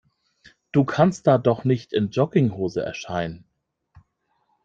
Du kannst da doch nicht in Jogginghose erscheinen.